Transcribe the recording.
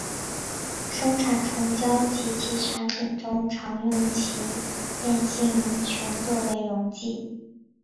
生产虫胶及其产品中常用变性乙醇作为溶剂。